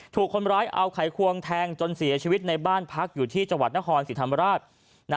ถูกคนร้ายเอาไขควงแทงจนเสียชีวิตในบ้านพักอยู่ที่จังหวัดนครศรีธรรมราช